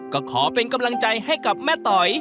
ก็ขอเป็นกำลังใจให้กับแม่ต๋อย